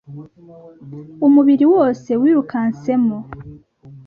umubiri wose wirukansemo